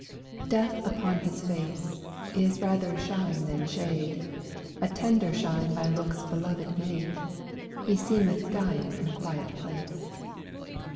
"Death upon his face Is rather shine than shade; A tender shine by looks beloved made: He seemeth dying in a quiet place." E.